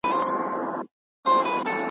¬ وايي عقل دي د چا څخه زده کړی، وايي د بې عقله.